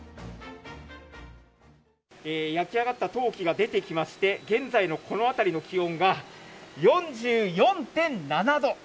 焼き上がった陶器が出てきまして、現在のこの辺りの気温が４４．７度。